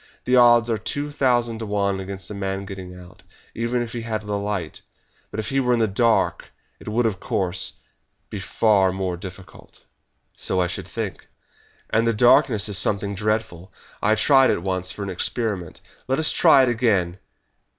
The odds are two thousand to one against a man getting out, even if he had a light; but if he were in the dark it would, of course, be far more difficult." "So I should think." "And the darkness is something dreadful. I tried it once for an experiment. Let us try it again!"